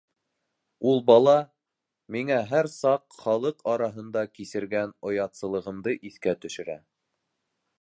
Ул бала... миңә һәр саҡ халыҡ араһында кисергән оятсылығымды иҫкә төшөрә...